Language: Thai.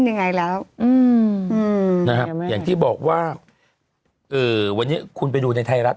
ยังไงแล้วอย่างที่บอกว่าวันนี้คุณไปดูในไทยรัฐ